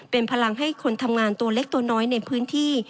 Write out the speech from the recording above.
เป็นพลังให้คนทำงานตัวเล็กตัวน้อยในพื้นที่